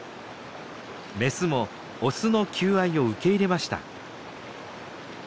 メスもオスの求愛を受け入れました。